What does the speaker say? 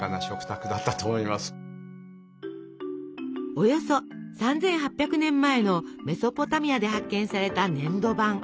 およそ３，８００年前のメソポタミアで発見された粘土板。